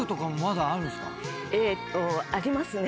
えーっとありますね。